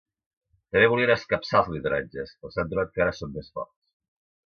També volien escapçar els lideratges, però s’han trobat que ara són més forts.